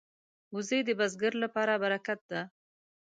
وزې د بزګر لپاره برکت ده